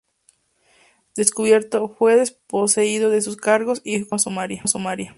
Descubierto, fue desposeído de sus cargos y ejecutado en forma sumaria.